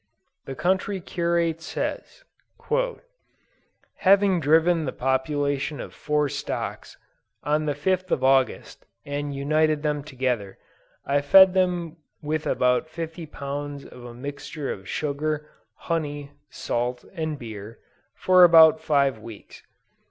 The Country Curate says, "Having driven the population of four stocks, on the 5th of August, and united them together, I fed them with about 50 pounds of a mixture of sugar, honey, salt and beer, for about five weeks.